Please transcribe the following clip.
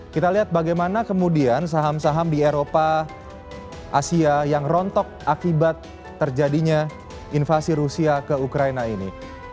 kita lihat bagaimana kemudian saham saham di eropa asia yang rontok akibat terjadinya invasi rusia ke ukraina ini